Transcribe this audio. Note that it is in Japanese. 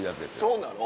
そうなの？